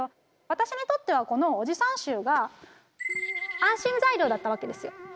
私にとってはこのオジサン臭が安心材料だったわけですよ。